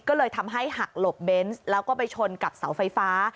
ก็เลยทำให้หักหลบเบนส์แล้วก็ไปชนกับเสาไฟฟ้า